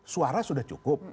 suara sudah cukup